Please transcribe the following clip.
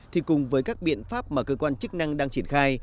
thì cùng với các biện pháp mà cơ quan chức năng đang triển khai